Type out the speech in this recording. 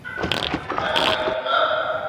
ٿني ھوئي تو ھڻاو